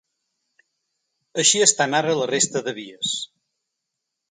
Així estan ara la resta de vies.